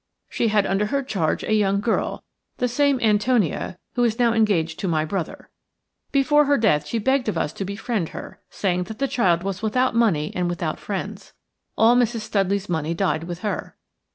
She had under her charge a young girl, the same Antonia who is now engaged to my brother. Before her death she begged of us to befriend her, saying that the child was without money and without friends. All Mrs. Studley's money died with her.